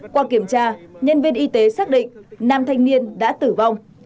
qua kiểm tra nhân viên y tế xác định nam thanh niên đã tử vong